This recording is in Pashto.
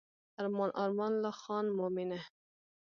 ارمان ارمان لا خان مومنه.